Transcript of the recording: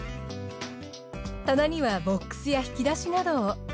棚にはボックスや引き出しなどを。